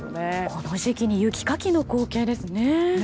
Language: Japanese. この時期に雪かきの光景ですね。